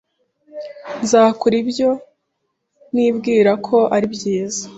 Nzakora ibyo nibwira ko ari byiza.